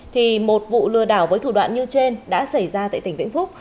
thì một vụ lừa đảo với thủ đoạn như trên đã xảy ra tại tỉnh vĩnh phúc